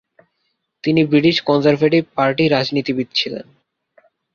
তিনি British Conservative Party রাজনীতিবিদ ছিলেন।